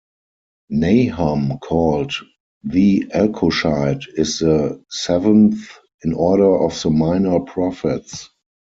Nahum, called "the Elkoshite", is the seventh in order of the minor prophets.